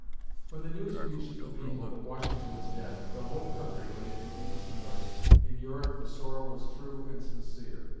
When the news reached the people that Washington was dead, the whole country went into deepest mourning. In Europe, the sorrow was true and sincere.